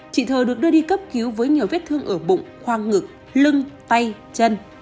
trị thơ được đưa đi cấp cứu với nhiều vết thương ở bụng khoang ngực lưng tay chân